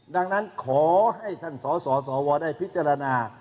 ดังนั้นขอให้ท่านสสวได้พิจารณา